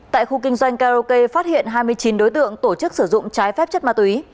tại khu kinh doanh karaoke phát hiện hai mươi chín đối tượng tổ chức sử dụng trái phép chất ma túy